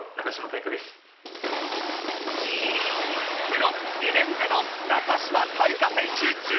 プロ２年目の中島大嘉選手１９歳